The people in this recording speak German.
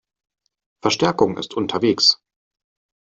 Verstärkung ist unterwegs.